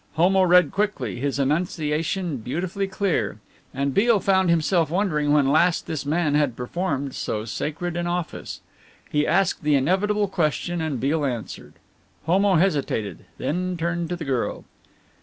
Homo read quickly, his enunciation beautifully clear, and Beale found himself wondering when last this man had performed so sacred an office. He asked the inevitable question and Beale answered. Homo hesitated, then turned to the girl.